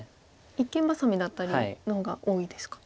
一間バサミだったりの方が多いですか。